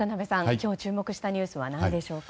今日、注目したニュースは何でしょうか。